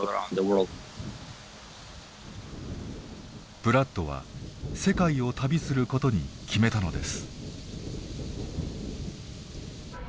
ブラッドは世界を旅することに決めたのです。